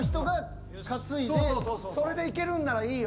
それでいけるんならいいよ。